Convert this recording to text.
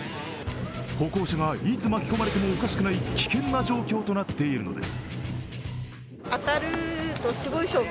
歩行者が、いつ巻き込まれてもおかしくない危険な状況となっているのです。